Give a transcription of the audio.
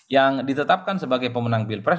yang ditetapkan sebagai pemenang pilpres